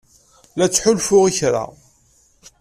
La ttḥulfuɣ i kra.